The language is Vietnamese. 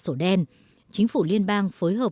sổ đen chính phủ liên bang phối hợp